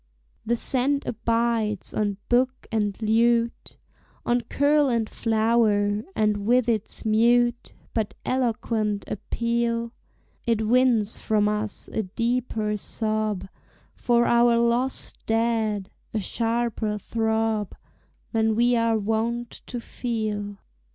The scent abides on book and lute, On curl and flower, and with its mute But eloquent appeal It wins from us a deeper sob For our lost dead, a sharper throb Than we are wont to feel.